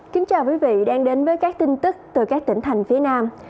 kính chào quý vị đang đến với các tin tức từ các tỉnh thành phía nam